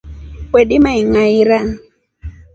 Weldima ingairia.